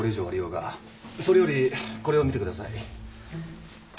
それよりこれを見てください。